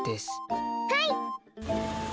はい！